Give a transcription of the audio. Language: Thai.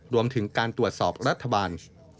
รวมถึงการตรวจสอบรัฐบาล